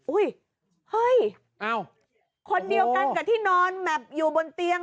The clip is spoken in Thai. เฮ้ยคนเดียวกันกับที่นอนแมพอยู่บนเตียง